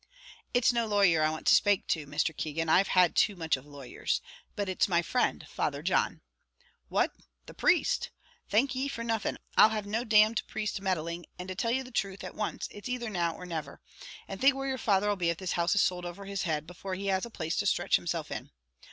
"It's no lawyer I want to spake to, Mr. Keegan; I've had too much of lawyers; but it's my friend, Father John." "What, the priest! thank ye for nothing; I'll have no d d priest meddling; and to tell you the truth at once, it's either now or never. And think where your father 'll be if the house is sold over his head, before he has a place to stretch himself in."